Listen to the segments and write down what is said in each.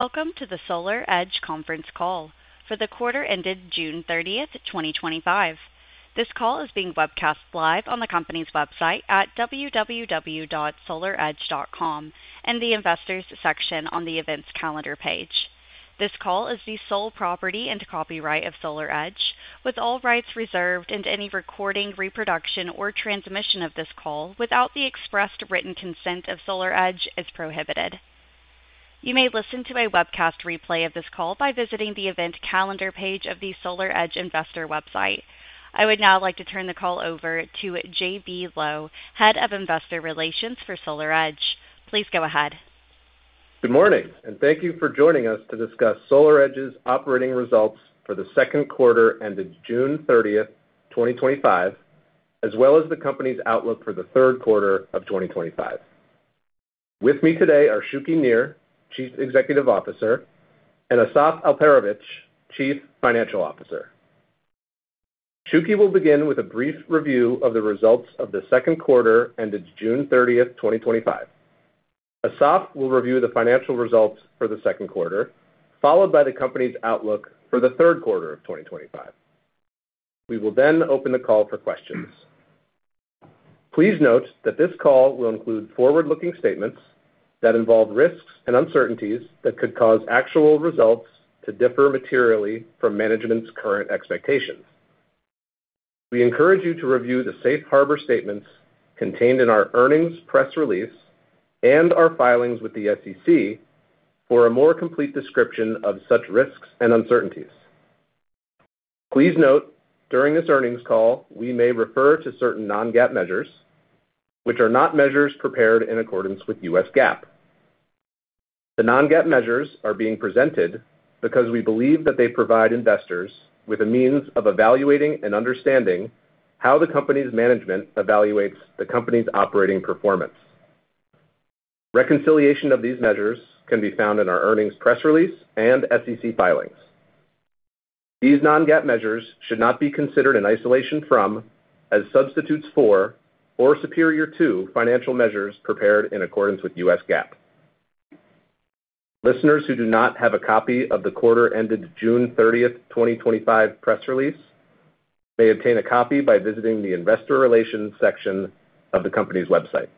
Welcome to the SolarEdge conference call for the quarter ended June 30th, 2025. This call is being webcast live on the company's website at www.solaredge.com and the Investors section on the Events Calendar page. This call is the sole property and copyright of SolarEdge with all rights reserved, and any recording, reproduction, or transmission of this call without the express written consent of SolarEdge is prohibited. You may listen to a webcast replay of this call by visiting the Event Calendar page of the SolarEdge Investor website. I would now like to turn the call over to J.B. Lowe, Head of Investor Relations for SolarEdge. Please go ahead. Good morning and thank you for joining us to discuss SolarEdge Technologies' operating results for the second quarter ended June 30th, 2025, as well as the company's outlook for the third quarter of 2025. With me today are Shuki Nir, Chief Executive Officer, and Asaf Alperovitz, Chief Financial Officer. Shuki will begin with a brief review of the results of the second quarter ended June 30th, 2025. Asaf will review the financial results for the second quarter, followed by the company's outlook for the third quarter of 2025. We will then open the call for questions. Please note that this call will include forward-looking statements that involve risks and uncertainties that could cause actual results to differ materially from management's current expectations. We encourage you to review the safe harbor statements contained in our earnings press release and our filings with the SEC for a more complete description of such risks and uncertainties. Please note, during this earnings call we may refer to certain non-GAAP measures which are not measures prepared in accordance with U.S. GAAP. The non-GAAP measures are being presented because we believe that they provide investors with a means of evaluating and understanding how the company's management evaluates the company's operating performance. Reconciliation of these measures can be found in our earnings press release and SEC filings. These non-GAAP measures should not be considered in isolation from, as substitutes for, or superior to financial measures prepared in accordance with U.S. GAAP. Listeners who do not have a copy of the quarter ended June 30th, 2025 press release may obtain a copy by visiting the Investor Relations section of the company's website.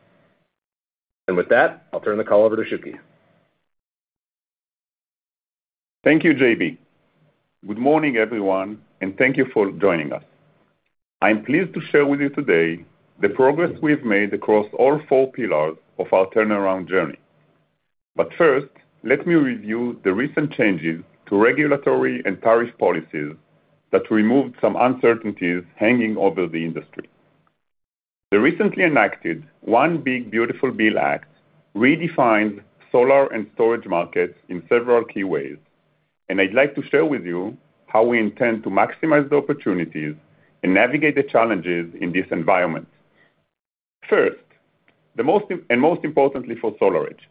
With that, I'll turn the call over to Shuki. Thank you. J.B. Good morning everyone and thank you for joining us. I am pleased to share with you today the progress we have made across all four pillars of our turnaround journey. First, let me review the recent changes to regulatory and tariff policies that removed some uncertainties hanging over the industry. The recently enacted One Big Beautiful Bill Act redefines solar and storage markets in several key ways and I'd like to share with you how we intend to maximize the opportunities and navigate the challenges in this environment. First, and most importantly for SolarEdge,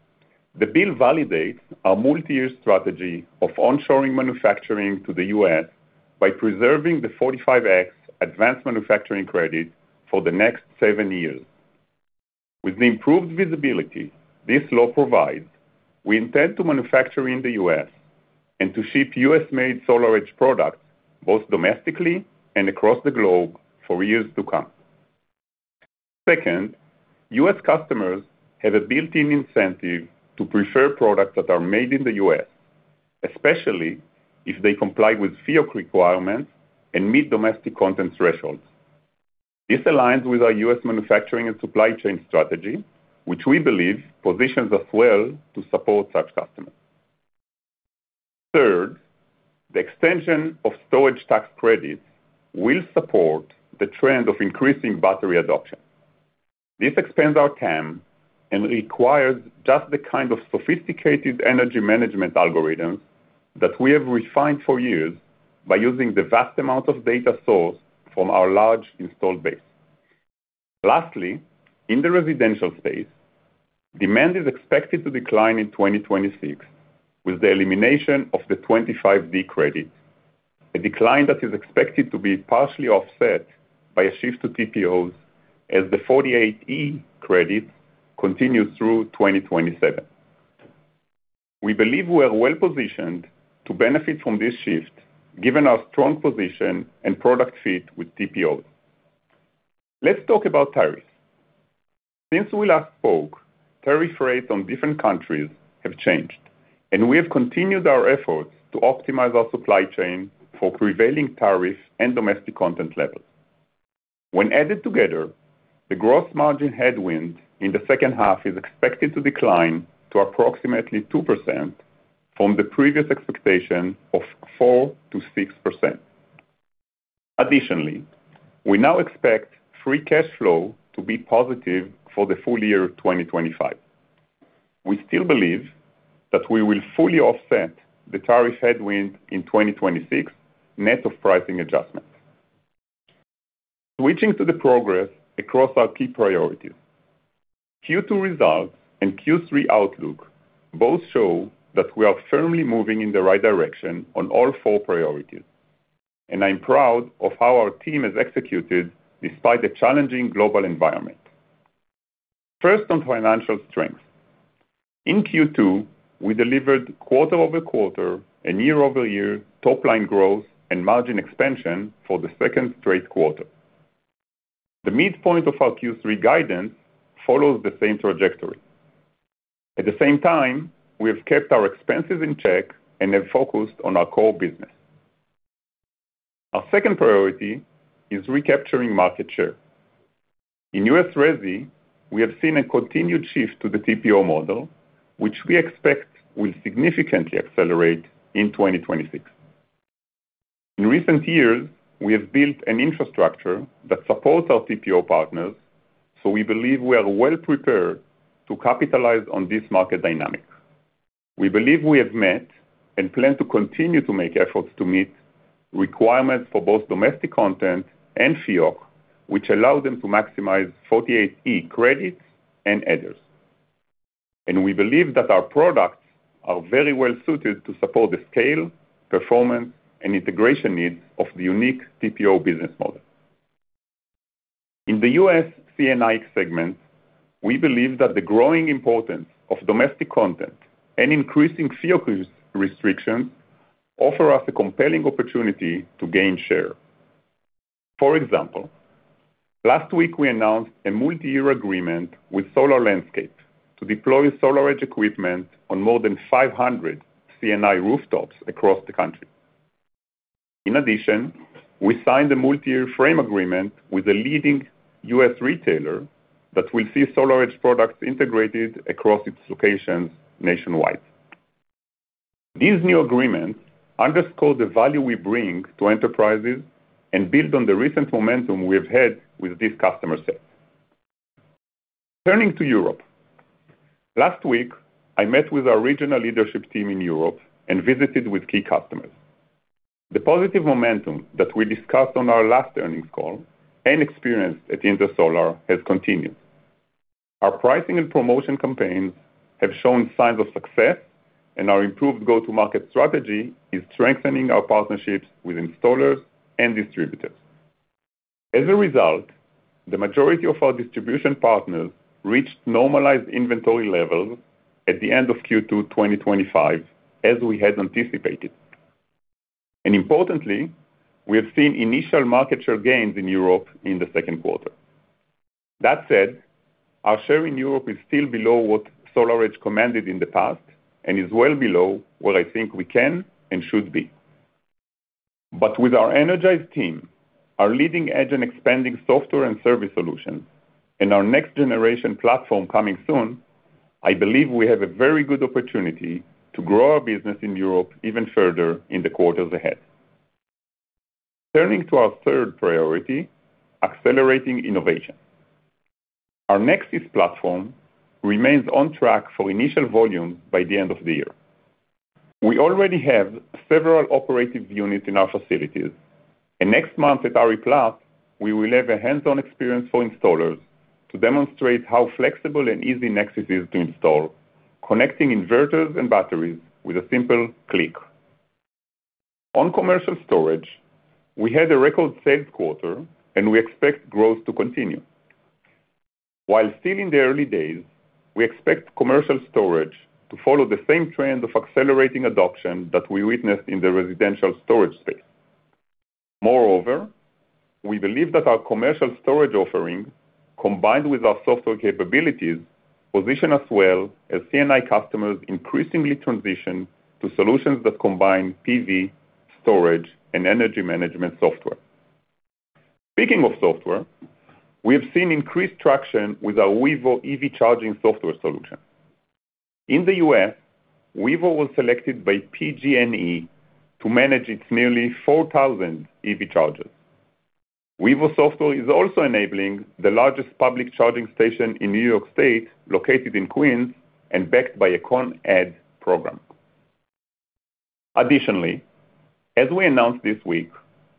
the bill validates our multi-year strategy of onshoring manufacturing to the U.S. by preserving the 45X Advanced Manufacturing Credit for the next seven years. With the improved visibility this law provides, we intend to manufacture in the U.S. and to ship U.S.-made SolarEdge products both domestically and across the globe for years to come. Second, U.S. customers have a built-in incentive to prefer products that are made in the U.S., especially if they comply with FIAC requirements and meet domestic content thresholds. This aligns with our U.S. manufacturing and supply chain strategy, which we believe positions us well to support such customers. Third, the extension of storage tax credits will support the trend of increasing battery adoption. This expands our TAM and requires just the kind of sophisticated energy management algorithm that we have refined for years by using the vast amount of data sourced from our large installed base. Lastly, in the residential space, demand is expected to decline in 2026 with the elimination of the 25D credit, a decline that is expected to be partially offset by a shift to TPO as the 48E credit continues through 2027. We believe we are well positioned to benefit from this shift given our strong position and product fit with TPOs. Let's talk about tariffs. Since we last spoke, tariff rates on different countries have changed and we have continued our efforts to optimize our supply chain for prevailing tariff and domestic content levels. When added together, the gross margin headwind in the second half is expected to decline to approximately 2% from the previous expectation of 4%-6%. Additionally, we now expect free cash flow to be positive for the full year 2025. We still believe that we will fully offset the tariff headwind in 2026 net of pricing adjustments, switching to the progress across our key priorities. Q2 results and Q3 outlook both show that we are firmly moving in the right direction on all four priorities, and I'm proud of how our team has executed despite the challenging global environment. First, on financial strength, in Q2 we delivered quarter-over-quarter and year-over-year top line growth and margin expansion for the second straight quarter. The midpoint of our Q3 guidance follows the same trajectory. At the same time, we have kept our expenses in check and have focused on our core business. Our second priority is recapturing market share in U.S. Resi. We have seen a continued shift to the TPO model, which we expect will significantly accelerate in 2026. In recent years, we have built an infrastructure that supports our CPO partners, so we believe we are well prepared to capitalize on this market dynamic. We believe we have met and plan to continue to make efforts to meet requirements for both domestic content and FIAC, which allow them to maximize 48E credit. We believe that our products are very well suited to support the scale, performance, and integration needs of the unique TPO business model. In the U.S. C&I segment, we believe that the growing importance of domestic content and increasing FIAC restrictions offer us a compelling opportunity to gain share. For example, last week we announced a multi-year agreement with Solar Landscape to deploy SolarEdge equipment on more than 500 C&I rooftops across the country. In addition, we signed a multi-year frame agreement with a leading U.S. retailer that will see SolarEdge products integrated across its locations nationwide. These new agreements underscore the value we bring to enterprises and build on the recent momentum we've had with this customer set. Turning to Europe, last week I met with our regional leadership team in Europe and visited with key customers. The positive momentum that we discussed on our last earnings call and experienced at Intersolar has continued. Our pricing and promotion campaigns have shown signs of success, and our improved go-to-market strategy is strengthening our partnerships with installers and distributors. As a result, the majority of our distribution partners reached normalized inventory levels at the end of Q2 2025 as we had anticipated. Importantly, we have seen initial market share gains in Europe in the second quarter. That said, our share in Europe is still below what SolarEdge commanded in the past and is well below what I think we can and should be. With our energized team, our leading edge and expanding software and service solutions, and our next generation platform coming soon, I believe we have a very good opportunity to grow our business in Europe even further in the quarters ahead. Turning to our third priority, accelerating innovation. Our Nexis platform remains on track for initial volume by the end of the year. We already have several operative units in our facilities and next month at RE+ we will have a hands-on experience for installers to demonstrate how flexible and easy Nexis is to install, connecting inverters and batteries with a simple click. On commercial storage, we had a record sales quarter and we expect growth to continue. While still in the early days, we expect commercial storage to follow the same trend of accelerating adoption that we witnessed in the residential storage space. Moreover, we believe that our commercial storage offering combined with our software capabilities position us well as C&I customers increasingly transition to solutions that combine PV, storage, and energy management software. Speaking of software, we have seen increased traction with our Vivo EV charging software solution in the U.S. Vivo was selected by PG&E to manage its nearly 4,000 EV chargers. Vivo software is also enabling the largest public charging station in New York State, located in Queens and backed by a Con Ed program. Additionally, as we announced this week,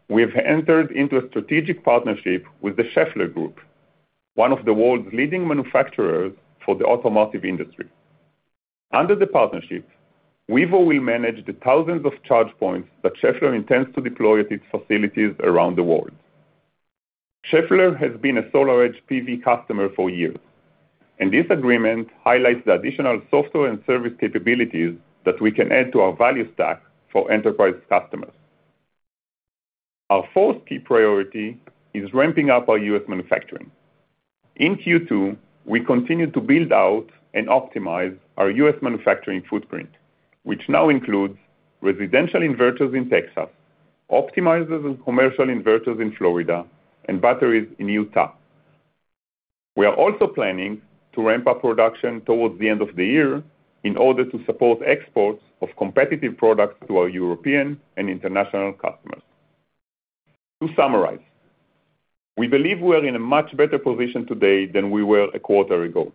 we have entered into a strategic partnership with the Schaeffler Group, one of the world's leading manufacturers for the automotive industry. Under the partnership, Vivo will manage the thousands of charge points that Schaeffler intends to deploy at its facilities around the world. Schaeffler has been a SolarEdge PV customer for years and this agreement highlights the additional software and service capabilities that we can add to our value stack for enterprise customers. Our fourth key priority is ramping up our U.S. manufacturing in Q2. We continue to build out and optimize our U.S. manufacturing footprint, which now includes residential inverters in Texas, optimizers and commercial inverters in Florida, and batteries in Utah. We are also planning to ramp up production towards the end of the year in order to support exports of competitive products to our European and international customers. To summarize, we believe we are in a much better position today than we were a quarter ago.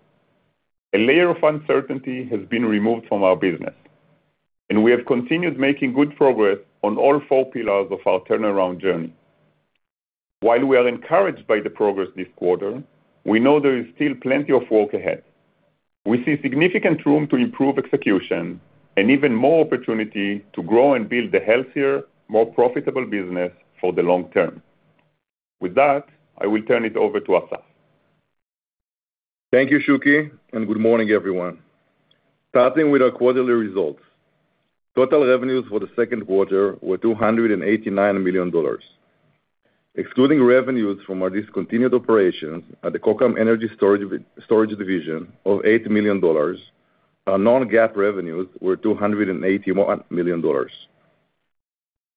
A layer of uncertainty has been removed from our business, and we have continued making good progress on all four pillars of our turnaround journey. While we are encouraged by the progress this quarter, we know there is still plenty of work ahead. We see significant room to improve execution and even more opportunity to grow and build a healthier, more profitable business for the long term. With that, I will turn it over to Asaf. Thank you, Shuki, and good morning, everyone. Starting with our quarterly results, total revenues for the second quarter were $289 million. Excluding revenues from our discontinued operations at the Kokam energy storage division of $8 million, our non-GAAP revenues were $281 million.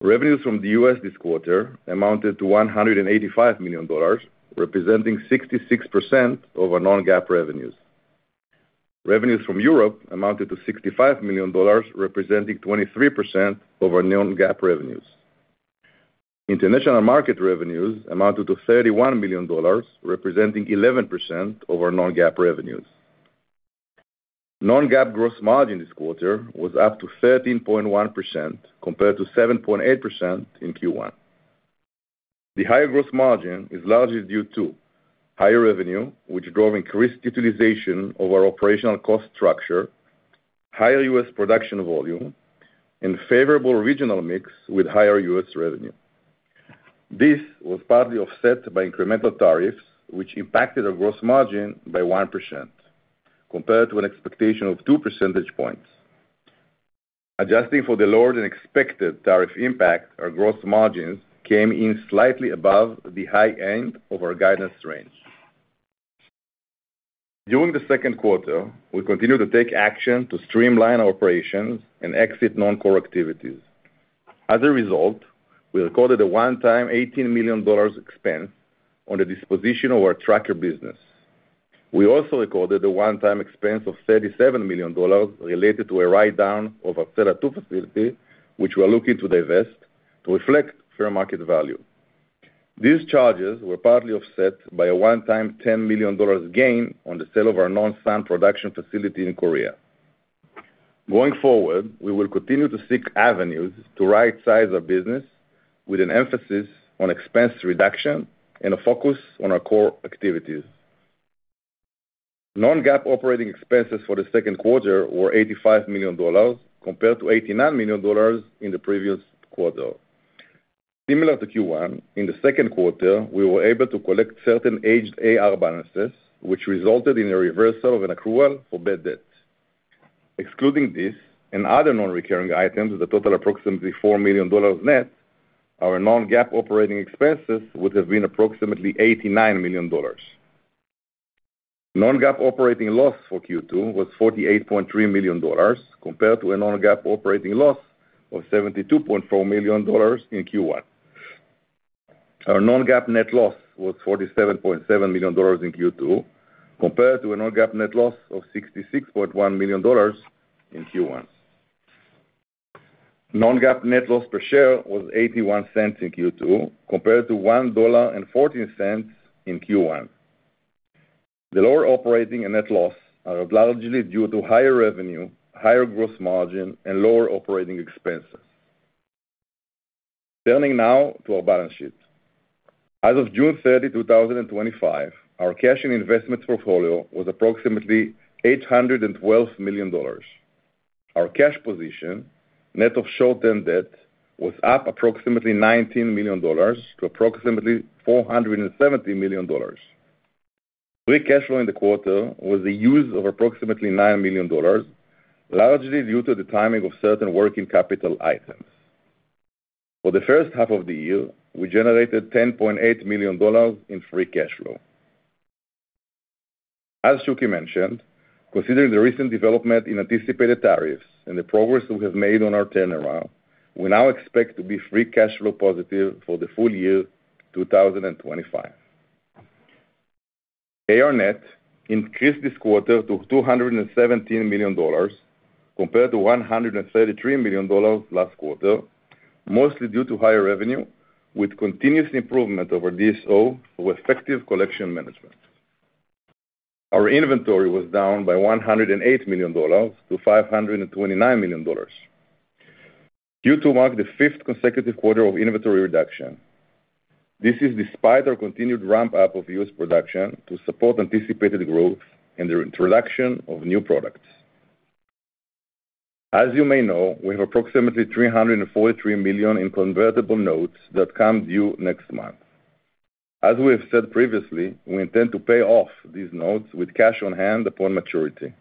Revenues from the U.S. this quarter amounted to $185 million, representing 66% of our non-GAAP revenues. Revenues from Europe amounted to $65 million, representing 23% of our non-GAAP revenues. International market revenues amounted to $31 million, representing 11% of our non-GAAP revenues. Non-GAAP gross margin this quarter was up to 13.1% compared to 7.8% in Q1. The higher gross margin is largely due to higher revenue, which drove increased utilization of our operational cost structure, higher U.S. production volume, and favorable regional mix with higher U.S. revenue. This was partly offset by incremental tariffs, which impacted our gross margin by 1% compared to an expectation of 2%. Adjusting for the lower than expected tariff impact, our gross margin came in slightly above the high end of our guidance range. During the second quarter, we continued to take action to streamline our operations and exit non-core activities. As a result, we recorded a one-time $18 million expense on the disposition of our tracker business. We also recorded a one-time expense of $37 million related to a write-down of our Cellar 2 facility, which we are looking to divest to reflect fair market value. These charges were partly offset by a one-time $10 million gain on the sale of our non-sand production facility in Korea. Going forward, we will continue to seek avenues to rightsize our business with an emphasis on expense reduction and a focus on our core activities. Non-GAAP operating expenses for the second quarter were $85 million compared to $89 million in the previous quarter. Similar to Q1, in the second quarter. We were able to collect certain aged AR balances which resulted in a reversal of an accrual for bad debt. Excluding this and other non-recurring items that total approximately $4 million net, our non-GAAP operating expenses would have been approximately $89 million. Non-GAAP operating loss for Q2 was $48.3 million compared to a non-GAAP operating loss of $72.4 million in Q1. Our non-GAAP net loss was $47.7 million in Q2 compared to a non-GAAP net loss of $66.1 million in Q1. Non-GAAP net loss per share was $0.81 in Q2 compared to $1.14 in Q1. The lower operating and net loss are largely due to higher revenue, higher gross margin, and lower operating expense. Turning now to our balance sheet, as of June 30, 2025, our cash and investment portfolio was approximately $812 million. Our cash position net of short-term debt was up approximately $19 million to approximately $470 million. Free cash flow in the quarter was the use of approximately $9 million, largely due to the timing of certain working capital items. For the first half of the year, we generated $10.8 million in free cash flow. As Shuki mentioned, considering the recent development in anticipated tariffs and the progress we have made on our turnaround, we now expect to be free cash flow positive. For the full year 2025. AR Net increased this quarter to $217 million compared to $133 million last quarter, mostly due to higher revenue. With continuous improvement over DSO for effective collection management, our inventory was down by $108 million-$529 million. Q2 marked the fifth consecutive quarter of inventory reduction. This is despite our continued ramp up of U.S. production to support anticipated growth and the introduction of new products. As you may know, we have approximately $343 million in convertible notes that come due next month. As we have said previously, we intend to pay off these notes with cash on hand upon maturity.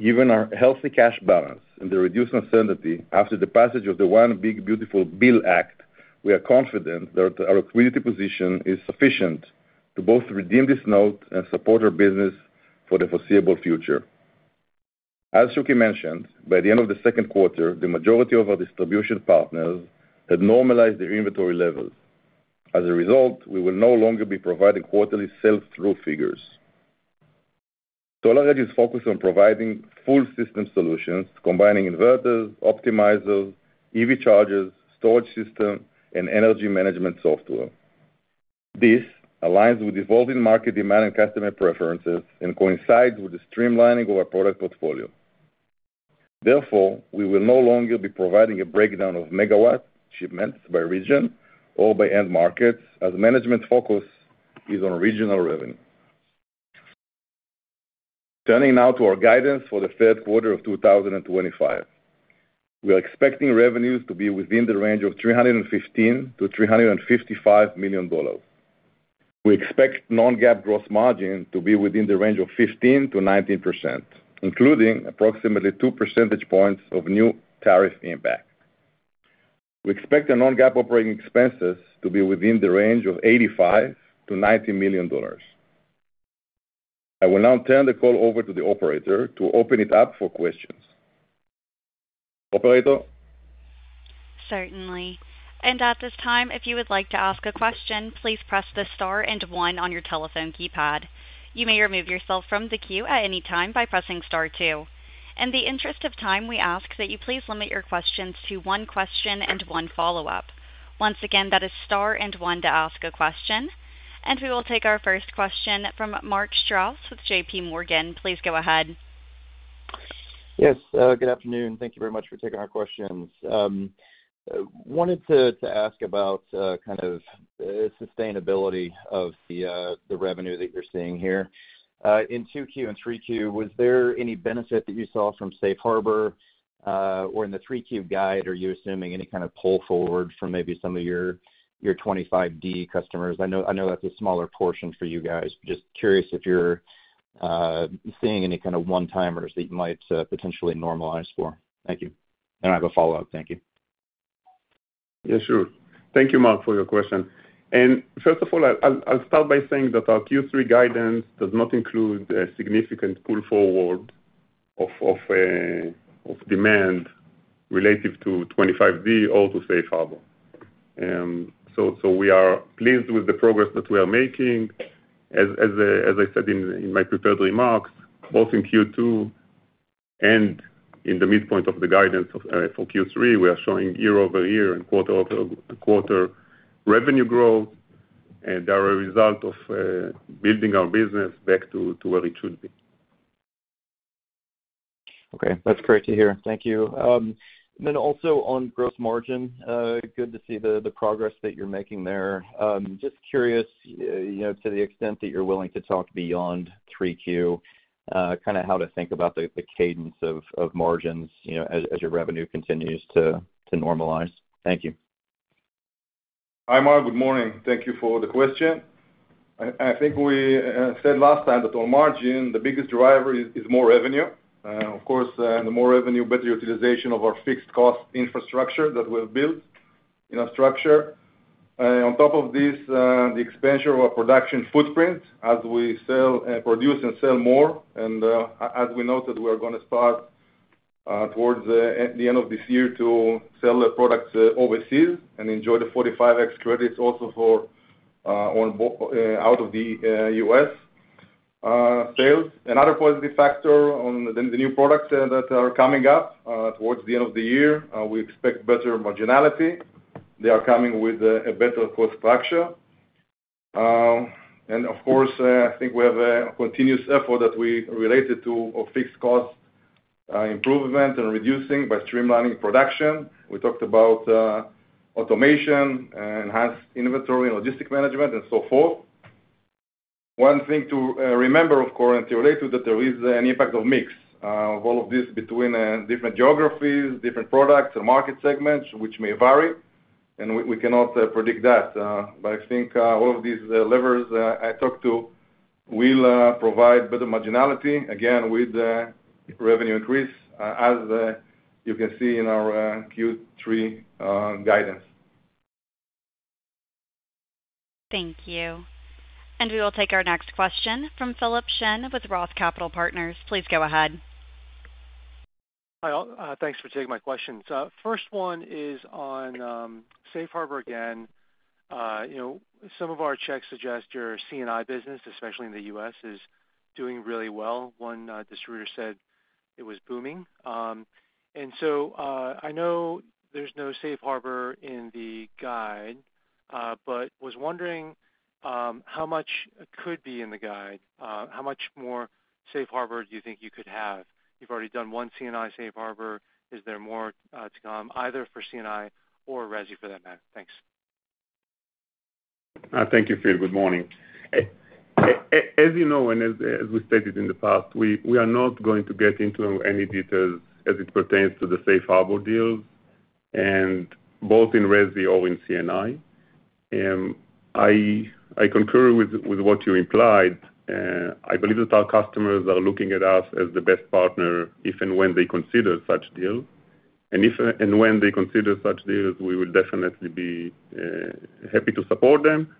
Given our healthy cash balance and the reduced uncertainty after the passage of the One Big Beautiful Bill Act, we are confident that our liquidity position is sufficient to both redeem this note and support our business for the foreseeable future. As Shuki mentioned, by the end of the second quarter the majority of our distribution partners had normalized their inventory level. As a result, we will no longer be providing quarterly sell-through figures. SolarEdge is focused on providing full system solutions combining inverters, optimizers, EV chargers, storage system and energy management software. This aligns with evolving market demand and customer preferences and coincides with the streamlining Of our product portfolio. Therefore, we will no longer be providing a breakdown of megawatt shipments by region or by end markets as management focus is on regional revenue. Turning now to our guidance for the third quarter of 2025, we are expecting revenues to be within the range of $315 million-$355 million. We expect non-GAAP gross margin to be within the range of 15%-19%, including approximately 2 percentage points of new tariff impact. We expect the non-GAAP operating expenses to be within the range of $85 million-$90 million. I will now turn the call over to the operator to open it up for questions. Operator? Certainly. At this time, if you would like to ask a question, please press the star and one on your telephone keypad. You may remove yourself from the queue at any time by pressing star two. In the interest of time, we ask that you please limit your questions to one question and one follow-up. Once again, that isstar and one to ask a question. We will take our first question from Mark Strouse with JPMorgan. Please go ahead. Yes, good afternoon. Thank you very much for taking our questions. Wanted to ask about kind of sustainability of the revenue that you're seeing here in 2Q and 3Q. Was there any benefit that you saw from safe harbor or in the 3Q guide? Are you assuming any kind of pull forward from maybe some of your 25D customers? I know that's a smaller portion for you guys. Just curious if you're seeing any kind of one timers that you might potentially normalize for. Thank you. I have a follow up. Thank you. Yeah, sure. Thank you, Mark, for your question. First of all, I'll start by saying that our Q3 guidance does not include a significant pull forward of demand relative to 25D or to safe harbor. We are pleased with the progress that we are making. As I said in my prepared remarks, both in Q2 and in the midpoint of the guidance for Q3, we are showing year over year and quarter-over-quarter revenue growth, and they are a result of building our business back to where it should be. Okay, that's great to hear, thank you. Also, on gross margin, good to see the progress that you're making there. Just curious, to the extent that you're willing to talk beyond 3Q, kind of how to think about the cadence of margins as your revenue continues to normalize. Thank you. Hi Mark, good morning. Thank you for the question. I think we said last time that our margin, the biggest driver is more revenue. Of course, the more revenue, better utilization of our fixed cost infrastructure that we've built in our structure. On top of this, the expansion of our production footprint as we sell and produce and sell more. As we noted, we are going to start towards the end of this year to sell the products overseas and enjoy the 45X credits also for out of the U.S. sales. Another positive factor on the new products that are coming up towards the end of the year. We expect better marginality. They are coming with a better cost structure. Of course, I think we have a continuous effort that we related to of fixed cost improvement and reducing by streamlining production. We talked about automation, enhanced inventory logistic. Management and so forth. One thing to remember, of course, until later is that there is an impact of mix of all of this between different geographies, different products, and market segments, which may vary, and we cannot predict that. I think all of these levers I talk to will provide better marginality again with revenue increase, as you can see in our Q3 guidance. Thank you. We will take our next question from Philip Shen with Roth Capital Partners. Please go ahead. Hi, thanks for taking my questions. First one is on safe harbor again. You know some of our checks suggest your C&I business, especially in the U.S., is doing really well. One distributor said it was booming, and I know there's no safe harbor in the guide, but was wondering how much could be in the guide. How much more safe harbor do you think you could have? You've already done one C&I safe harbor. Is there more to come either for C&I or RESI for that matter? Thanks. Thank you, Phil. Good morning. As you know and as we stated in the past, we are not going to get into any details as it pertains to the safe harbor deals, both in RESI or in C&I. I concur with what you implied. I believe that our customers are looking at us as the best partner if and when they consider such deals. If and when they consider such deals, we will definitely be happy to support them.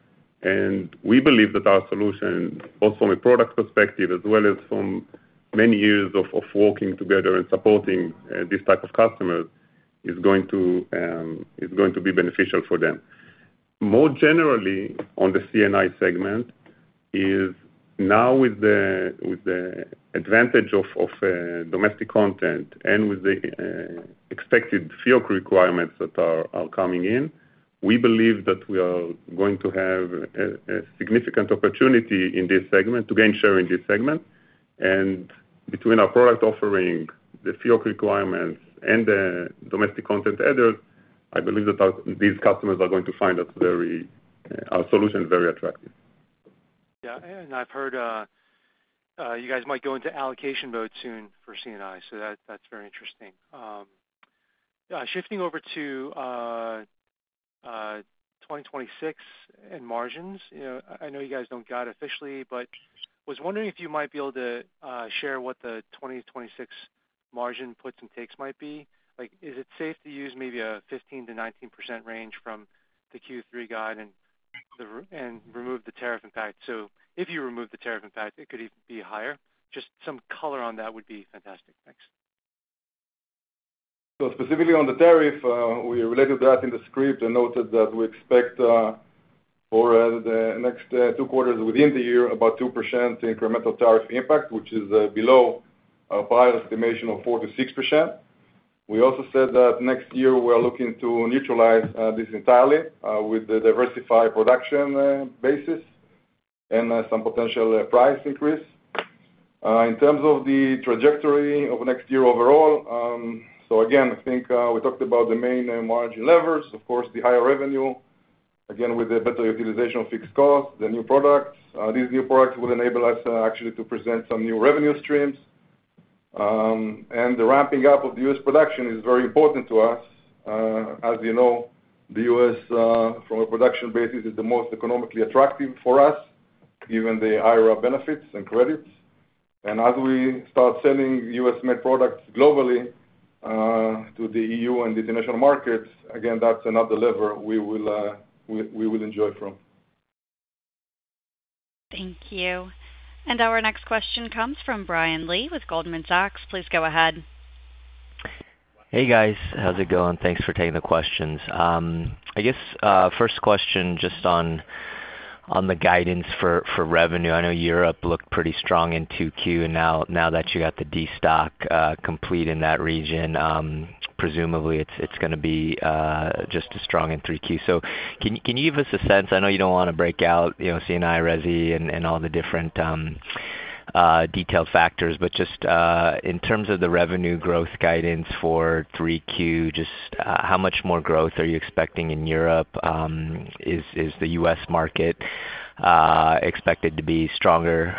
We believe that our solution, both from a product perspective as well as from many years of working together and supporting this type of customers, is going to be beneficial for them. More generally, on the C&I segment, now with the advantage of domestic content and with the expected arc fault requirements that are coming in, we believe that we are going to have a significant opportunity in this segment to gain share. Between our product offering, the arc fault requirements, and the domestic content headers, I believe that these customers are going to find our solution very attractive. Yeah, and I've heard you guys might go into allocation mode soon for C&I, so that's very interesting. Shifting over to 2026 and margins, I know you guys don't got officially, but was wondering if you might be able to share what the 2026 margin puts and takes might be like. Is it safe to use maybe a 15%-19% range from the Q3 guide and remove the tariff impact? If you remove the tariff impact, it could even be higher. Just some color on that would be fantastic. Thanks. Specifically on the tariff, we related that in the script and noted that we expect for the next two quarters within the year about 2% incremental tariff impact, which is below estimation of 4%-6%. We also said that next year we are looking to neutralize this entirely with the diversified production basis and some potential price increase in terms of the trajectory of next year overall. I think we talked about the main margin levers, of course the higher revenue again with a better utilization of fixed cost, the new product. These new products will enable us actually to present some new revenue streams, and the ramping up of the U.S. production is very important to us. As you know, the U.S. from a production basis is the most economically attractive for us given the IRA benefits and credits. As we start selling U.S.-made products globally to the EU and international markets, that's another lever we will enjoy from. Thank you. Our next question comes from Brian Lee with Goldman Sachs. Please go ahead. Hey guys, how's it going? Thanks for taking the questions. First question just on the guidance for revenue. I know Europe looked pretty strong in 2Q and now that you got the destock complete in that region, presumably it's going to be just as strong in 3Q. Can you give us a sense? I know you don't want to break out C&I, Resi, and all the different detailed factors, but just in terms of the revenue growth guidance for 3Q, how much more growth are you expecting in Europe? Is the U.S. market expected to be stronger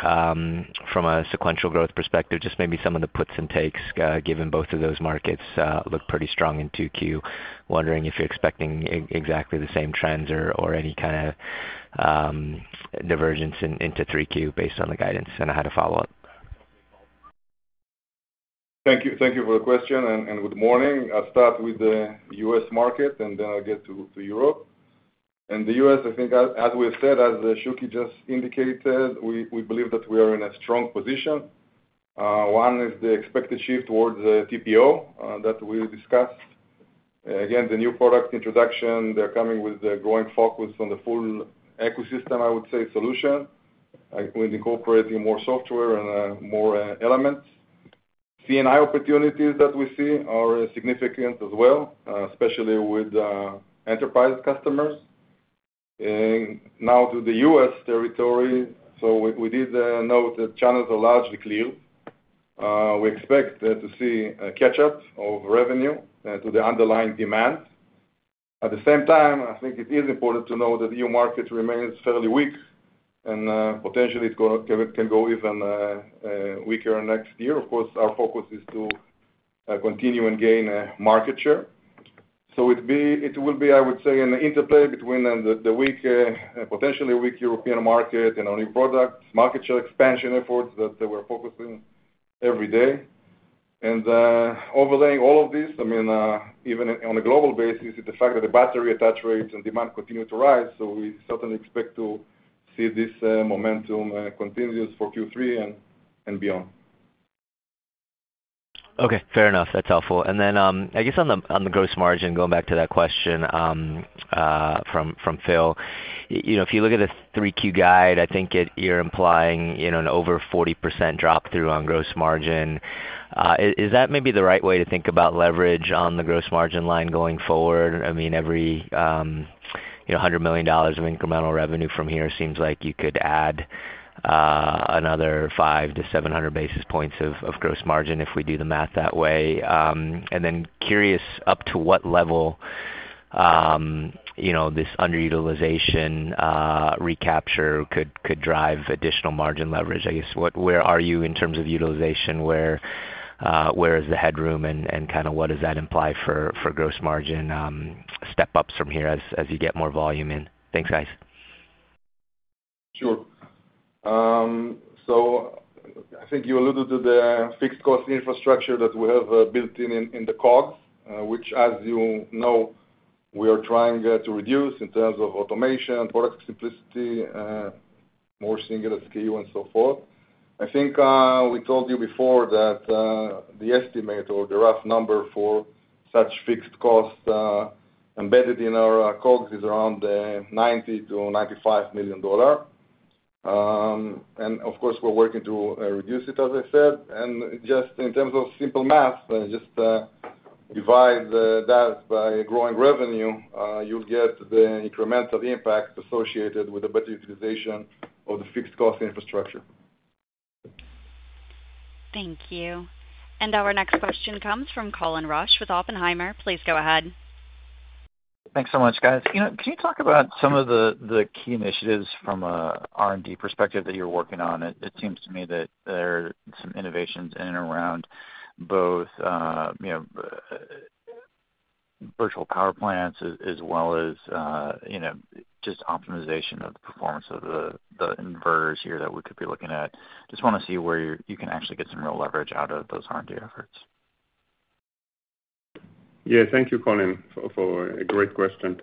from a sequential growth perspective? Maybe some of the puts and takes given both of those markets look pretty strong in 2Q. Wondering if you're expecting exactly the same trends or any kind of divergence into 3Q based on the guidance, and I had a follow up. Thank you for the question and good morning. I'll start with the U.S. market and then I'll get to Europe and the U.S. I think as we've said, as Shuki just indicated, we believe that we are in a strong position. One is the expected shift towards the TPO that we discussed. Again, the new product introduction. They're coming with the ongoing focus on the full ecosystem. I would say solution with incorporating more software and more elements. C&I opportunities that we see are significant as well, especially with enterprise customers and now to the U.S. territory. We did note that channels are largely clear. We expect to see a catch up of revenue to the underlying demand. At the same time, I think it is important to note that the EU market remains fairly weak and potentially it can go even weaker next year. Of course, our focus is to continue and gain market share. It will be, I would say, an interplay between the weak, potentially weak European market and our new product market share expansion efforts that we're focusing on every day. Overlaying all of this, even on a global basis, the fact that the battery attach rates and demand continue to rise. We certainly expect to see this momentum continue for Q3 and beyond. Okay, fair enough. That's helpful. Then I guess on the gross margin, going back to that question from Phil, if you look at the 3Q guide, I think you're implying an over 40% drop-through on gross margin. Is that maybe the right way to think about leverage on the gross margin line going forward? Every $100 million of incremental revenue from here seems like you could add another 500-700 basis points of gross margin. If we do the math that way, then curious up to what level this underutilization recapture could drive additional margin leverage, I guess. Where are you in terms of utilization? Where is the headroom, and what does that imply for gross margin? Margin step ups from here as you get more volume in. Thanks, guys. Sure. I think you alluded to the fixed cost infrastructure that we have built in the COGS, which as you know we are trying to reduce in terms of automation, product simplicity, more singular SKU and so forth. I think we told you before that the estimate or the rough number for such fixed cost embedded in our COGS is around $90 million-$95 million. Of course we're working to reduce. As I said. In terms of simple math, just divide that by growing revenue, you'll get the incremental impact associated with the better utilization of the fixed cost infrastructure. Thank you. Our next question comes from Colin Rusch with Oppenheimer. Please go ahead. Thanks so much, guys. Can you talk about some of the key initiatives from an R&D perspective that you're working on? It seems to me that there are some innovations in and around both Virtual Power plants as well as just optimization of the performance of the inverters here that we could be looking at. Just want to see where you can actually get some real leverage out of those hard efforts? Yeah, thank you, Colin, for a great question.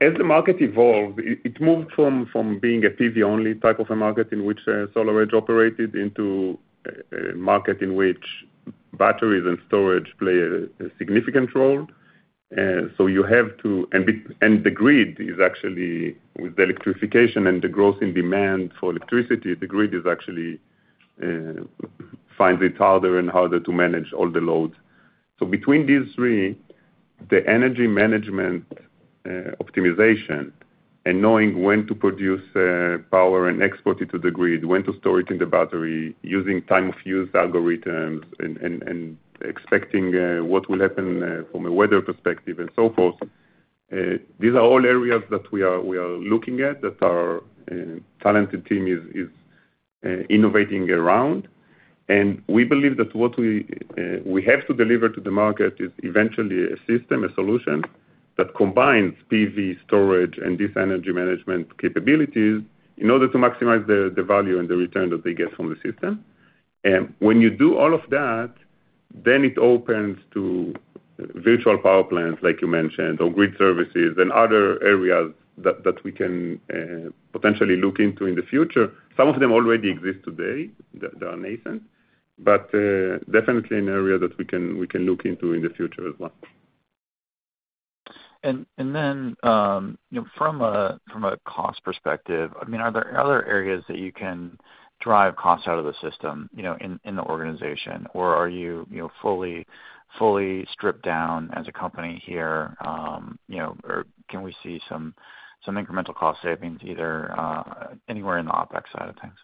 As the market evolved, it moved from being a PV-only type of a market in which SolarEdge operated into a market in which batteries and storage play a significant role. You have to, and the grid is actually, with the electrification and the growth in demand for electricity, the grid actually finds it harder and harder to manage all the loads. Between these three, the energy management, optimization, and knowing when to produce power and export it to the grid, when to store it in the battery, using time of use algorithms, and expecting what will happen from a weather perspective and so forth, these are all areas that we are looking at that our talented team is innovating around. We believe that what we have to deliver to the market is eventually a system, a solution that combines PV, storage, and this energy management capabilities in order to maximize the value and the return that they get from the system. When you do all of that, it opens to virtual power plants, like you mentioned, or grid services and other areas that we can potentially look into in the future. Some of them already exist today that are nascent, but definitely an area that we can look into in the future as well. From a cost perspective, are there other areas that you can drive costs out of the system in the organization, or are you fully dripped down as a company here? Can we see some incremental cost savings either anywhere in the OpEx side of things?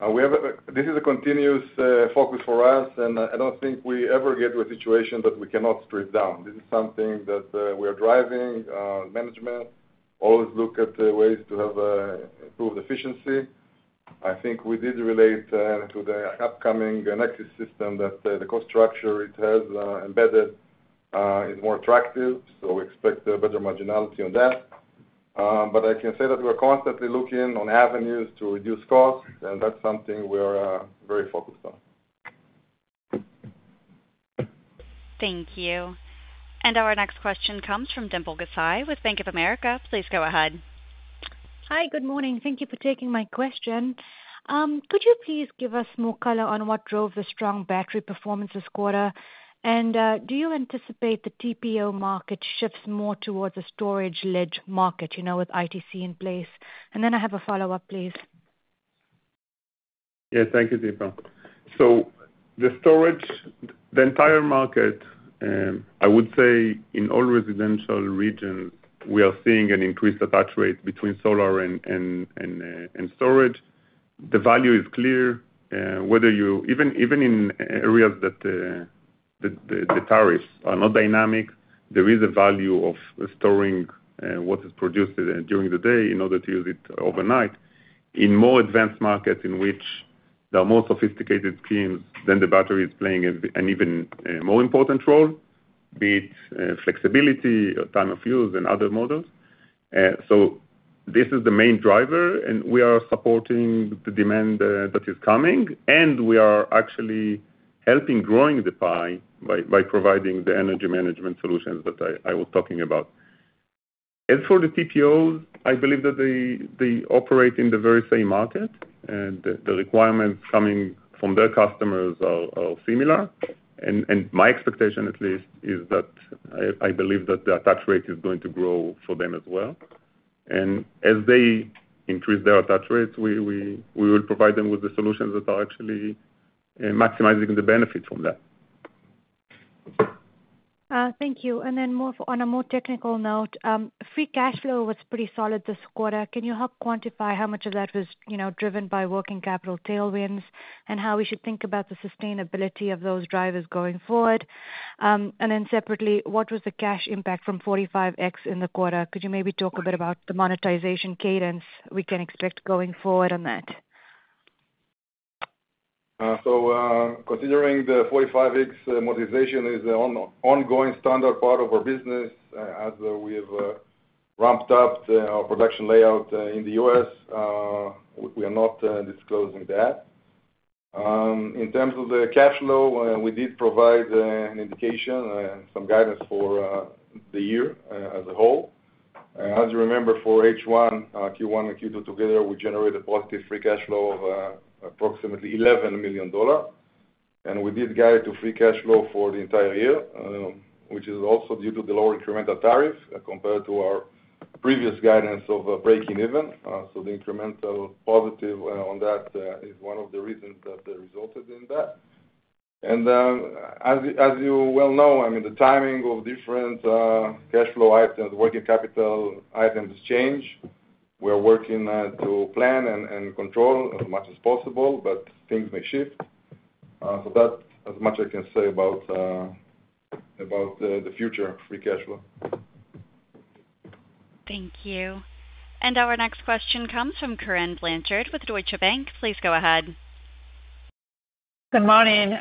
This is a continuous focus for us, and I don't think we ever get to a situation that we cannot strip down. This is something that we are driving. Management always look at ways to improve efficiency. I think we did relate to the upcoming Nexis platform, that the cost structure it has embedded is more attractive. We expect better marginality on that. I can say that we're constantly looking on avenues to reduce costs, and that's something we are very focused on. Thank you. Our next question comes from Dimple Gosai with Bank of America. Please go ahead. Hi, good morning. Thank you for taking my question. Could you please give us more color on what drove the strong battery performance this quarter? Do you anticipate the TPO market shifts more towards a storage-led market, you know, with ITC in place? I have a follow up, please. Yeah, thank you, Dimple. The storage, the entire market, I would say in all residential regions we are seeing an increased attach rate between solar and storage. The value is clear whether you, even in areas that the tariffs are not dynamic, there is a value of storing what is produced during the day in order to use it overnight. In more advanced markets in which there are more sophisticated schemes, the battery is playing an even more important role, be it flexibility, time of use, and other models. This is the main driver and we are supporting the demand that is coming. We are actually helping grow the pie by providing the energy management solutions that I was talking about. As for the TPOs, I believe that they operate in the very same market and the requirements coming from their customers are similar. My expectation at least is that I believe that the attach rate is going to grow for them as well. As they increase their attach rates, we will provide them with the solutions that are actually maximizing the benefits from that. Thank you. On a more technical note, free cash flow was pretty solid this quarter. Can you help quantify how much of that was driven by working capital tailwinds and how we should think about the sustainability of those drivers going forward? Separately, what was the cash impact from 45X in the quarter? Could you maybe talk a bit about the monetization cadence we can expect going forward on that? Continuing the 45X monetization is the ongoing standard part of our business. As we have ramped up our production layout in the U.S., we are not disclosing that in terms of the cash flow. We did provide an indication, some guidance for the year as a whole. As you remember, for H1, Q1 and Q2 together, we generated a positive free cash flow, approximately $11 million. We did guide to free cash flow for the entire year, which is also due to the lower incremental tariff compared to our previous guidance of breaking even. The incremental positive on that is one of the reasons that resulted in that. As you well know, the timing of different cash flow items, working capital items, change. We are working to plan and control. As much as possible, things may shift. That's as much as I can say about the future free cash flow. Thank you. Our next question comes from Corinne Blanchard with Deutsche Bank. Please go ahead. Good morning.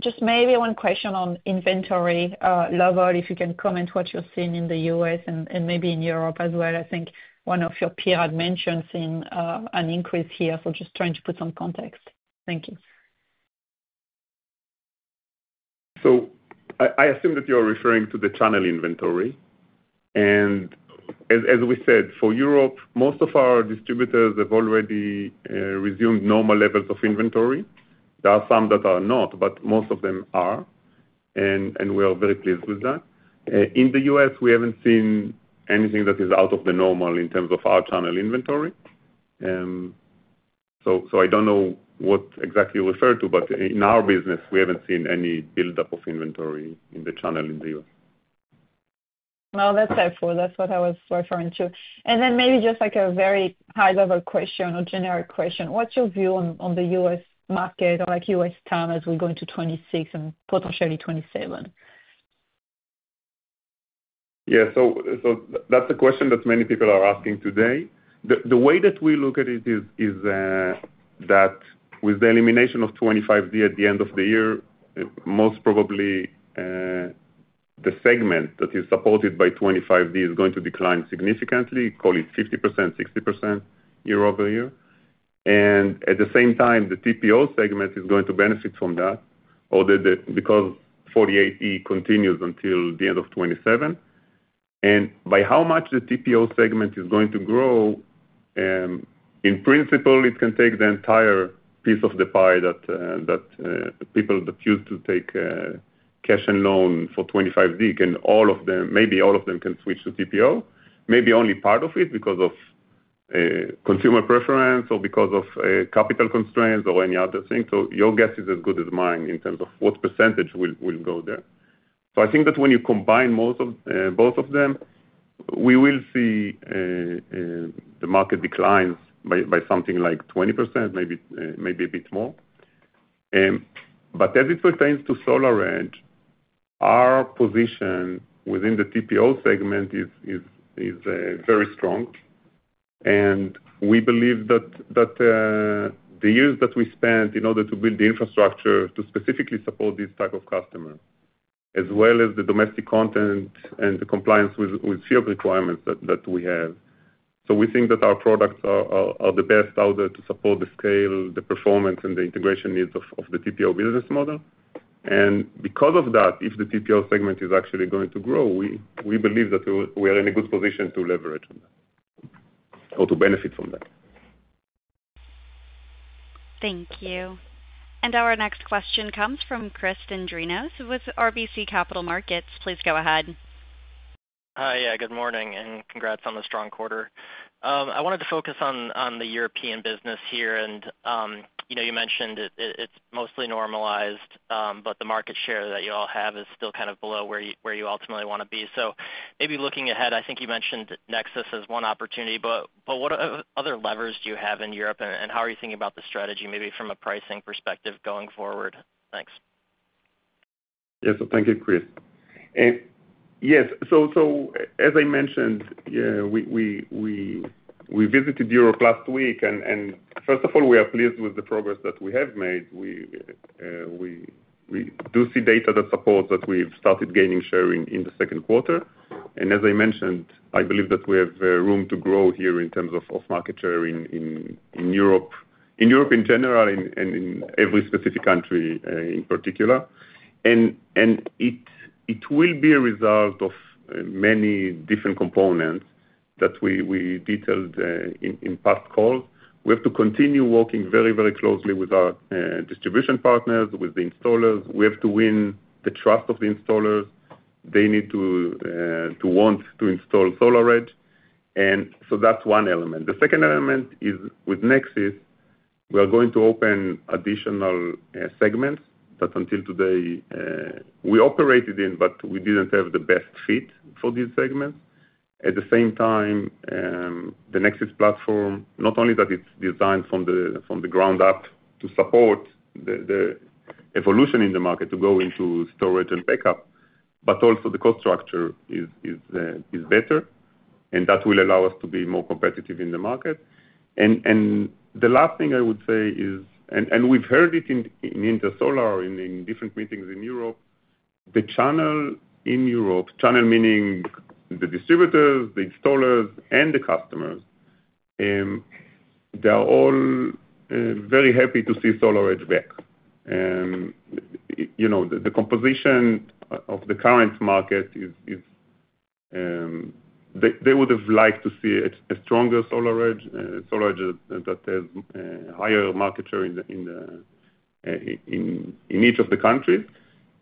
Just maybe one question on inventory level. If you can comment what you're seeing in the U.S. and maybe in Europe as well. I think one of your peer had mentioned an increase here. Just trying to put some context. Thank you. I assume that you are referring to the channel inventory. As we said for Europe, most of our distributors have already resumed normal levels of inventory. There are some that are not, but most of them are, and we are very pleased with that. In the U.S., we haven't seen anything that is out of the normal in terms of our channel inventory. I don't know what exactly you refer to, but in our business we haven't seen any buildup of inventory in the channel in the U.S. That's helpful. That's what I was referring to. Maybe just a very high-level question or generic question, what's your view on the U.S. market or U.S. time as we go into 2026 and potentially 2027? Yeah, so that's a question that many people are asking today. The way that we look at it is that with the elimination of 25D at the end of the year, most probably the segment that is supported by 25D is going to decline significantly, call it 50%, 60% year-over-year. At the same time, the TPO segment is going to benefit from that because 48E continues until the end of 2027, and by how much the TPO segment is going to grow. In principle, it can take the entire piece of the pie that people that used to take cash unknown for 25D and all of them, maybe all of them can switch to TPO, maybe only part of it, because of consumer preference or because of capital constraints or any other thing. Your guess is as good as mine in terms of what percentage will go. I think that when you combine both of them, we will see the market declines by something like 20%, maybe a bit more. As it pertains to SolarEdge, our position within the TPO segment is very strong. We believe that the years that we spent in order to build the infrastructure to specifically support this type of customer, as well as the domestic content and the compliance with FIAT requirements that we have. We think that our products are the best out there to support the scale, the performance, and the integration needs of the TPO business model. Because of that, if the TPO segment is actually going to grow, we believe that we are in a good position to leverage or to benefit from that. Thank you. Our next question comes from Chris Dendrinos with RBC Capital Markets. Please go ahead. Hi, good morning and congrats on the strong quarter. I wanted to focus on the European business here, and you mentioned it's mostly normalized, but the market share that you all have is still kind of below where you ultimately want to be. Maybe looking ahead, I think you mentioned Nexis as one opportunity, but what other levers do you have in Europe, and how are you thinking about the strategy maybe from a pricing perspective going forward? Thanks. Yes, thank you, Chris. As I mentioned, we visited Europe last week and first of all, we are pleased with the progress that we have made. We do see data that supports that we've started gaining share in the second quarter. As I mentioned, I believe that we have room to grow here in terms of market share in Europe in general and in every specific country in particular. It will be a result of many different components that we detailed in past calls. We have to continue working very, very closely with our distribution partners, with the installers. We have to win the trust of the installers. They need to want to install SolarEdge. That is one element. The second element is with Nexis, we are going to open additional segments that until today we operated in, but we didn't have the best fit for this segment. At the same time, the Nexis platform, not only that it's designed from the ground up to support the evolution in the market to go into storage and backup, but also the cost structure is better and that will allow us to be more competitive in the market. The last thing I would say is, we've heard it in Intersolar in different meetings in Europe. The channel in Europe, meaning the distributors, the installers and the customers, they are all very happy to see SolarEdge back. The composition of the current market is they would have liked to see a stronger SolarEdge that has higher market share in each of the countries.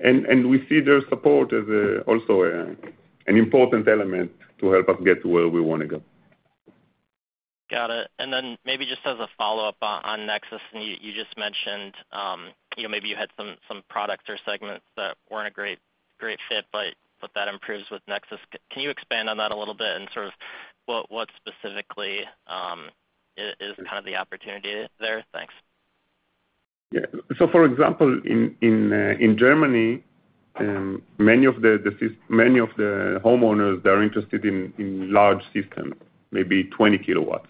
We see their support as also an important element to help us get to where we want to go. Got it. Maybe just as a follow up on Nexis, you just mentioned maybe you had some products or segment that weren't a great fit, but that improves with Nexis. Can you expand on that a little bit and sort of what specifically is kind of the opportunity there? Thanks. Yeah. For example, in Germany, many of the homeowners that are interested in large systems, maybe 20 kW,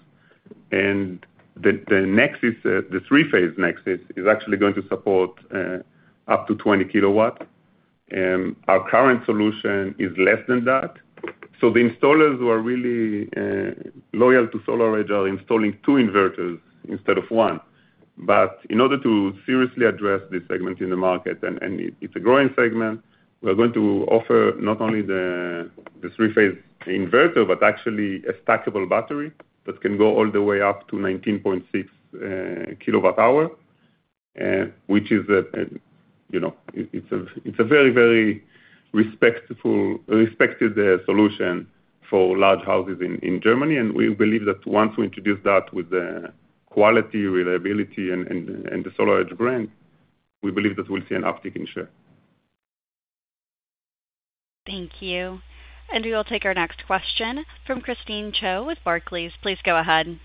and the three phase Nexis is actually going to support up to 20 kW. Our current solution is less than that. The installers who are really loyal to SolarEdge are installing two inverters instead of one. In order to seriously address this segment in the market, and it's a growing segment, we're going to offer not only the three phase inverter, but actually a stackable battery that can go all the way up to 19.6 kWh, which is, you know, it's a very, very respected solution for large houses in Germany. We believe that once we introduce that with the quality, reliability, and the SolarEdge brand, we believe that we'll see an uptick in share. Thank you. We will take our next question from Christine Cho with Barclays. Please go ahead.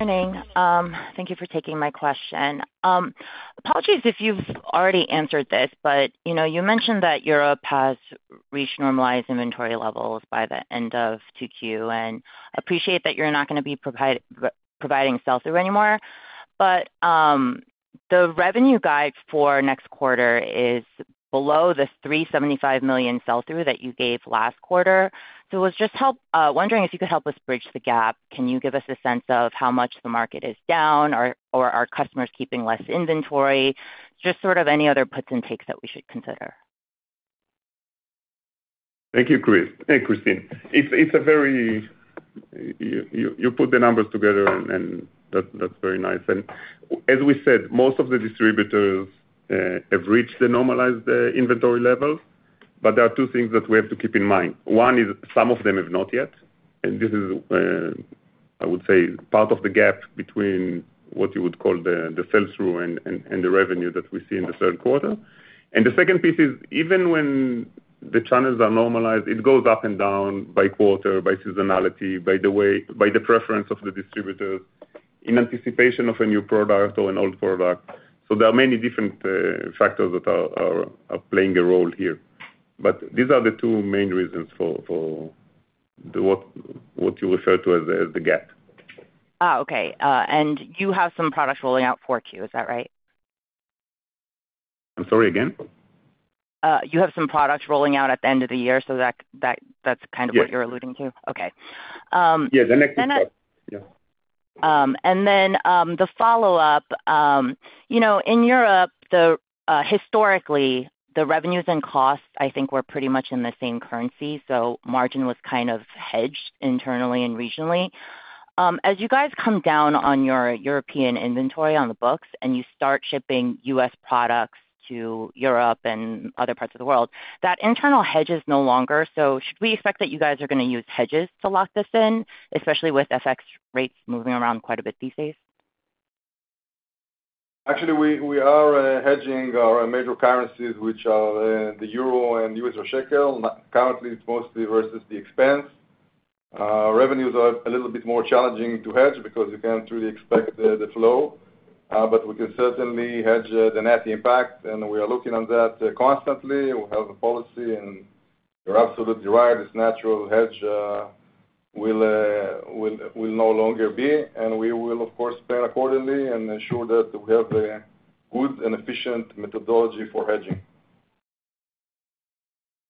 Thank you for taking my question. Apologies if you've already answered this, but you mentioned that Europe has reached normalized inventory levels by the end of 2Q, and appreciate that you're not going to be providing sell through anymore, but the revenue guide for next quarter is below the $375 million sell through that you gave last quarter. I was just wondering if you could help us bridge the gap. Can you give us a sense of how much the market is down or are customers keeping less inventory? Just sort of any other puts and takes that we should consider. Thank you, Chris. Hey, Christine. You put the numbers together and that's very nice. As we said, most of the distributors have reached the normalized inventory level. There are two things that we have to keep in mind. One is some of them have not yet, and this is, I would say, part of the gap between what you would call the sell through and the revenue that we see in the third quarter. The second piece is even when the channels are normalized, it goes up and down by quarter, by seasonality, by the preference of the distributors in anticipation of a new product or an old product. There are many different factors that are playing a role here, but these are the two main reasons for what you refer to as the gap. Okay, you have some products rolling out for Q, is that right? I'm sorry, again? You have some products. Rolling out at the end of the year, that's kind of what you're alluding to. Okay, yeah. The next. In Europe, historically the revenues and costs I think were pretty much in the same currency. Margin was kind of hedged internally and regionally. As you guys come down on your European inventory on the books and you start shipping U.S. products to Europe and other parts of the world, that internal hedge is no longer. We expect that you guys are going to use hedges to lock this in, especially with FX rates moving around quite. A bit these days? Actually, we are hedging our major currencies, which are the Euro and U.S. dollar or Shekel. Currently, it's mostly versus the expense. Revenues are a little bit more challenging to hedge because you can't really expect the flow. We could certainly hedge the net impact, and we are looking at that constantly. We have a policy, and you're absolutely right. Its natural hedge will no longer be, and we will, of course, plan accordingly and ensure that we have a good and efficient methodology for hedging.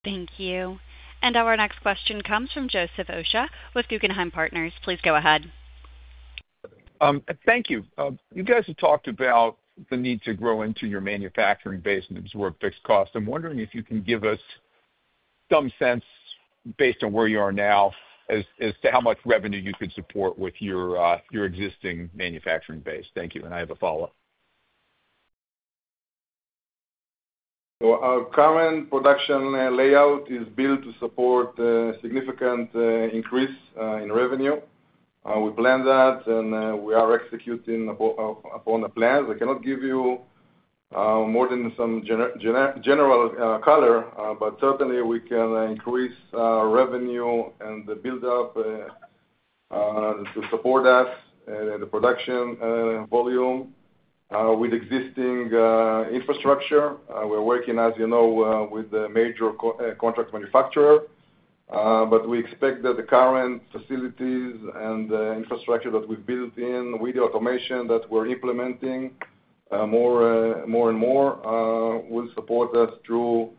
Thank you. Our next question comes from Joseph Osha with Guggenheim Partners. Please go ahead. Thank you. You guys have talked about the need to grow into your manufacturing base and absorb fixed cost. I'm wondering if you can give us. Some sense based on where you are now as to how much revenue you could support with your. Your existing manufacturing base. Thank you. I have a follow up. Our current production layout is built to support significant increase in revenue. We plan that and we are executing upon the plans. I cannot give you more than some general color, but certainly we can increase revenue and the buildup to support that. The production volume with existing infrastructure. We're working, as you know, with the major contract manufacturer. We expect that the current facilities and infrastructure that we built in with the automation that we're implementing, more and more, will support us through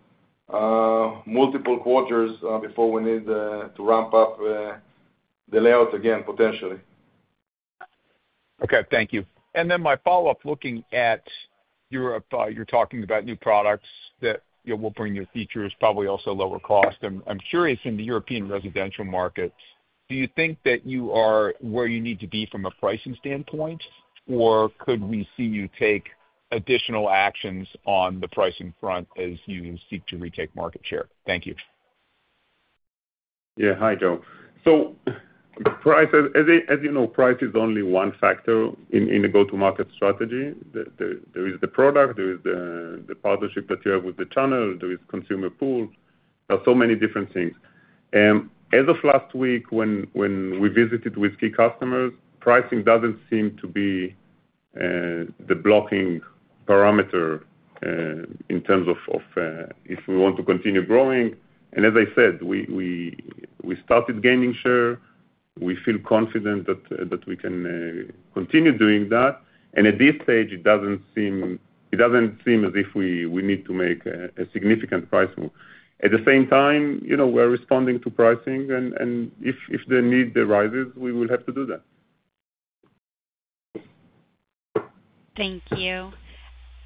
multiple quarters before we need to ramp up the layout again potentially. Okay, thank you. My follow up, looking at Europe, you're talking about new products that will bring new features, probably also lower cost. I'm curious, in the European residential market, do you think that you are where you need to be from a pricing standpoint or could we see you take additional actions on the pricing front you seek to retake market share? Thank you. Hi Joe. The price, as you know, price is only one factor in the go to market strategy. There is the product, there is the partnership that you have with the channel, there is consumer pull. There are so many different things. As of last week when we visited with key customers, pricing doesn't seem to be the blocking parameter in terms of if we want to continue growing. As I said, we started gaining share, we feel confident that we can continue doing that. At this stage it doesn't seem as if we need to make a significant price move at the same time. We're responding to pricing and if the need arises, we will have to do that. Thank you.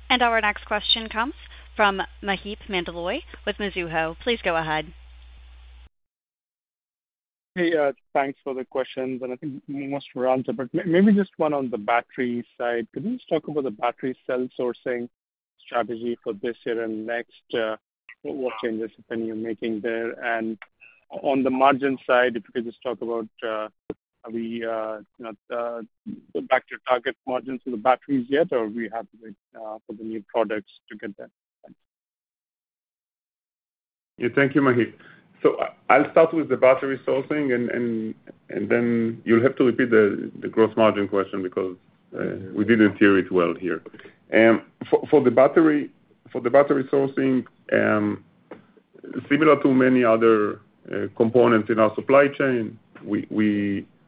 Our next question comes from Maheep Mandloi with Mizuho. Please go ahead. Hey, thanks for the questions. I think most were answered, but maybe just one. On the battery side, could you just talk about the battery cell sourcing strategy for this year and next, what changes depending on making there? On the margin side, if you could just talk about are we back. To target margins for the batteries yet or we have to wait for the new products to get that? Thank you, Maheep. I'll start with the battery sourcing and then you'll have to repeat the gross margin question because we didn't hear it well here. For the battery sourcing, similar to many other components in our supply chain,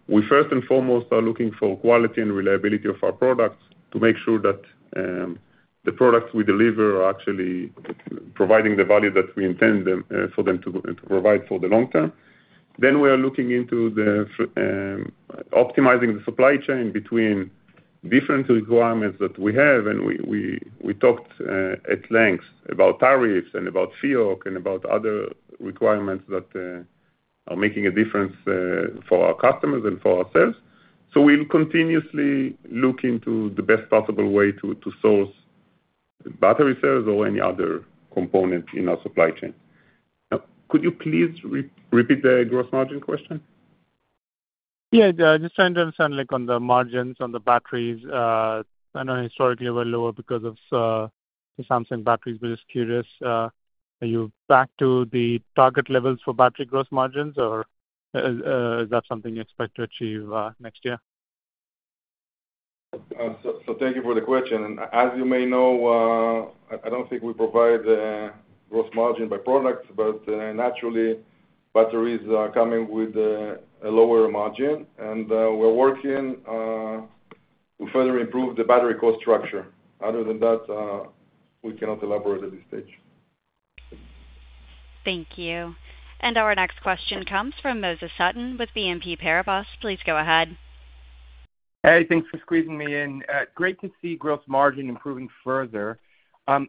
we first and foremost are looking for quality and reliability of our products to make sure that the products we deliver are actually providing the value that we intend for them to provide for the long term. We are looking into optimizing the supply chain between different requirements that we have and we talked at length about tariffs and about FOC and about other requirements that are making a difference for our customers and for ourselves. We'll continuously look into the best possible way to source battery cells or any other component in our supply chain. Could you please repeat the gross margin question? Yeah, just trying to understand like on the margins on the batteries I know historically were lower because of Samsung batteries. Just curious, are you back to the target levels for battery gross margins. Is that something you expect to achieve next year? Thank you for the question. As you may know, I don't think we provide gross margin by products, but naturally batteries are coming with a lower margin and we're working to further improve the battery cost structure. Other than that, we cannot elaborate at this stage. Thank you. Our next question comes from Moses Sutton with BNP Paribas. Please go ahead. Hey, thanks for squeezing me in great to see gross margin improving further.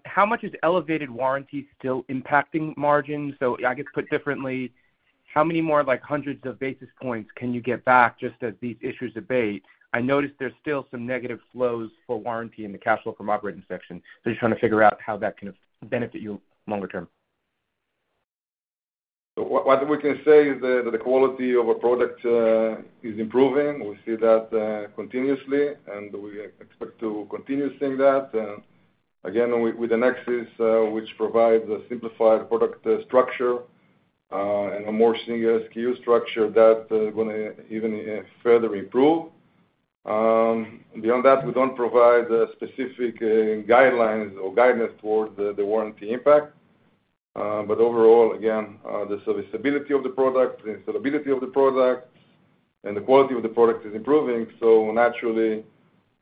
How much is elevated warranty speed still impacting margins? I guess, put differently, how many more like hundreds of basis points can you get back? Just as these issues abate, I noticed there's still some negative flows for warranty. In the cash flow from operating section, you're trying to figure out how. That can benefit you longer term. What we can say is that the quality of a product is improving. We see that continuously, and we expect to continue seeing that again with the Nexus, which provides a simplified product structure and a more single SKU structure that is going to even further improve. Beyond that, we don't provide specific guidelines or guidance toward the warranty impact. Overall, again, the serviceability of the product, the installability of the product, and the quality of the product is improving. Naturally,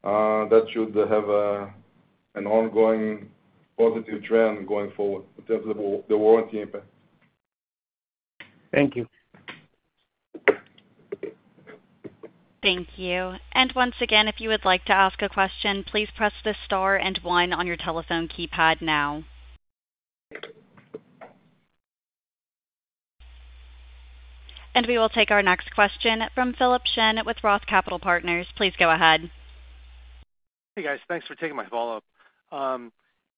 that should have an ongoing positive trend going forward in terms of the warranty impact. Thank you. Thank you. If you would like to ask a question, please press the star and one on your telephone keypad now. We will take our next question from Philip Shen with Roth Capital Partners. Please go ahead. Hey guys, thanks for taking my follow up.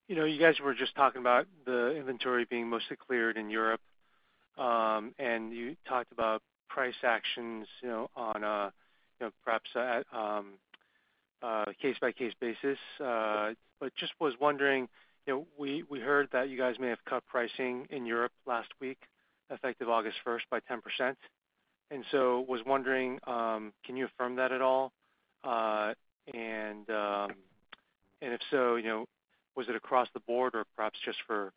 You know, you guys were just talking about the inventory being mostly cleared in Europe, and you talked about price actions on perhaps a case by case basis. I was wondering, we heard that you guys may have cut pricing in Europe last week, effective August 1st, by 10%. Was wondering, can you affirm that at all? If so, was it across the board or perhaps just for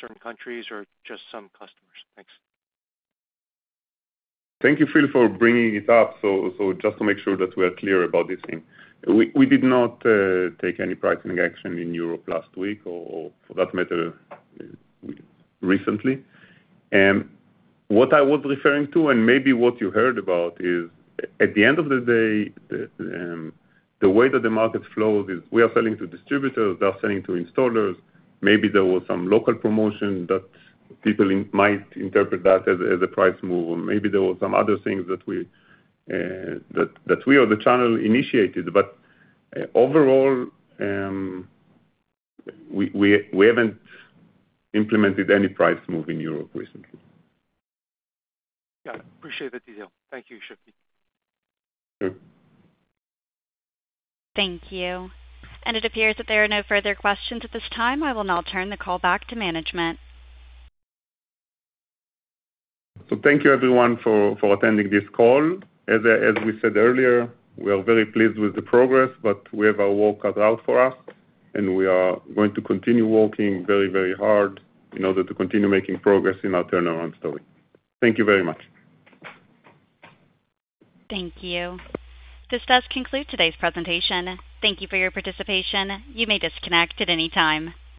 certain countries or just some customers? Thanks. Thank you, Phil, for bringing it up. Just to make sure that we are clear about this thing, we did not take any pricing action in Europe last week or, for that matter, recently. What I was referring to, and maybe what you heard about, is at the end of the day, the way that the market flows is we are selling to distributors, they're selling to installers. Maybe there was some local promotion that people might interpret as a price move, or maybe there were some other things that we or the channel initiated, but overall we haven't implemented any price move in Europe recently. Got it. Appreciate the detail. Thank you, Shuki. Thank you. It appears that there are no further questions at this time. I will now turn the call back to management. Thank you, everyone, for attending this call. As we said earlier, we are very pleased with the progress, but we have our work cut out for us, and we are going to continue working very, very hard in order to continue making progress in our turnaround story. Thank you very much. Thank you. This does conclude today's presentation. Thank you for your participation. You may disconnect at any time.